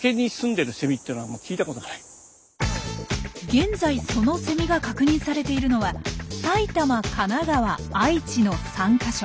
現在そのセミが確認されているのは埼玉神奈川愛知の３か所。